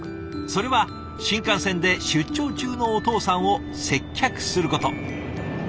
それは新幹線で出張中のお父さんを接客すること。